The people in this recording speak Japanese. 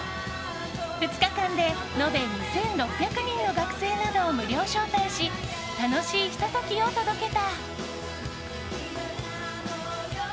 ２日間で延べ２６００人の学生などを無料招待し楽しいひと時を届けた。